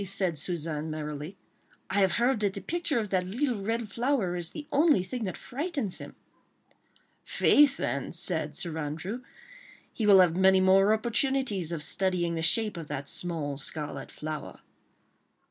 said Suzanne, merrily. "I have heard that the picture of that little red flower is the only thing that frightens him." "Faith, then," said Sir Andrew, "he will have many more opportunities of studying the shape of that small scarlet flower."